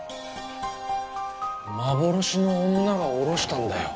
幻の女が下ろしたんだよ。